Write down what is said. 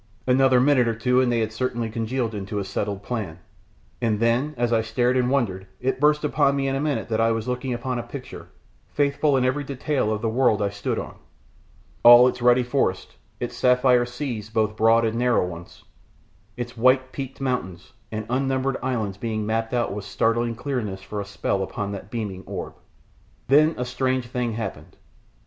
Another minute or two and they had certainly congealed into a settled plan, and then, as I stared and wondered, it burst upon me in a minute that I was looking upon a picture, faithful in every detail, of the world I stood on; all its ruddy forests, its sapphire sea, both broad and narrow ones, its white peaked mountains, and unnumbered islands being mapped out with startling clearness for a spell upon that beaming orb. Then a strange thing happened.